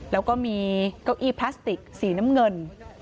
แล้วก็มีเก้าอี้พลาสติกสีน้ำเงิน